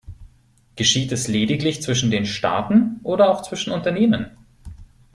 Geschieht es lediglich zwischen den Staaten oder auch zwischen Unternehmen?